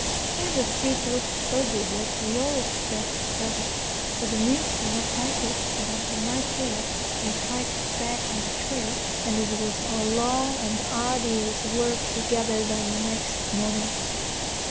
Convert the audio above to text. Here the feed looked so good that we all expressed pleasure. But the mules did not like it, and after nightfall they hiked back on the trail, and it was a long and arduous work to gather them next morning.